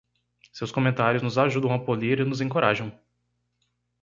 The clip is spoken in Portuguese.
Seus comentários nos ajudam a polir e nos encorajam.